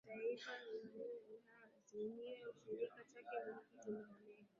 Afrika umoja wa kitaifa Afrika na Azimio la ArushaKiini chake ni hiki Tumeonewa